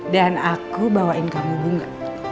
dan aku bawain kamu bunga